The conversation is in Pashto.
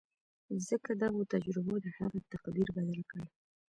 ځکه دغو تجربو د هغه تقدير بدل کړ.